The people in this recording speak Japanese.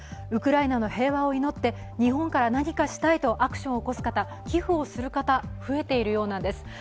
ウクライナの平和を祈って、日本から何かしたいとアクションを起こす方、寄付をする方、増えているようなんです。